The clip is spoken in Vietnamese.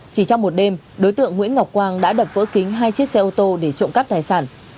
chỉ trong một đêm đối tượng nguyễn ngọc quang đã đập vỡ kính hai chiếc xe ô tô để trộm cắp tài sản